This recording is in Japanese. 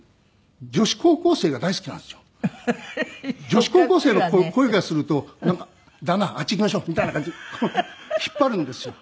女子高校生の声がするとなんか「旦那あっち行きましょう！」みたいな感じでこう引っ張るんですよ。